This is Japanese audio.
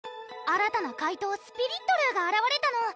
新たな怪盗スピリットルーがあらわれたの！